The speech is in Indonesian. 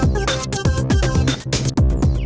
wah keren banget